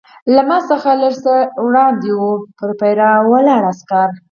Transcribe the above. له ما څخه لږ څه وړاندې وه، پر پیره ولاړ عسکر.